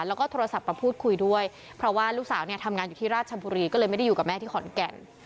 แล้วก็โทรศัพท์มาพูดคุยด้วยเพราะว่าลูกสาวเนี่ยทำงานอยู่ที่ราชบุรีก็เลยไม่ได้อยู่กับแม่ที่ขอนแก่น